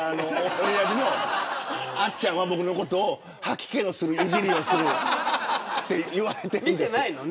オリラジのあっちゃんは僕のことを吐き気のするいじりをすると言われている。